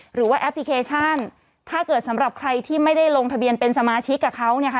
แอปพลิเคชันถ้าเกิดสำหรับใครที่ไม่ได้ลงทะเบียนเป็นสมาชิกกับเขาเนี่ยค่ะ